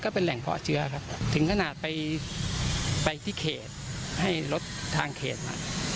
เป็นแหล่งเพาะเชื้อครับถึงขนาดไปที่เขตให้รถทางเขตมา